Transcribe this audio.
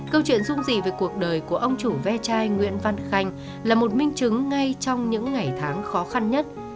câu chuyện dung gì về cuộc đời của ông chủ ve chai nguyễn văn khanh là một minh chứng ngay trong những ngày tháng khó khăn nhất